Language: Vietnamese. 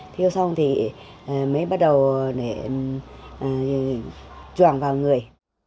thiêu xong thì mới bắt đầu để chuồng vào người